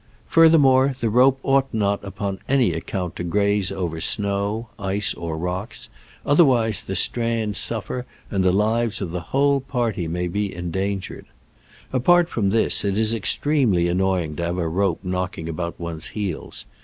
Further, the rope ought not upon any account to graze over snow, ice or rocks, otherwise the strands suffer and the lives of the whole party may be endangered. THE WRONG WAY TO USB THE ROPB. Apart from this, it is extremely annoy ing to have a rope knocking about one's heels.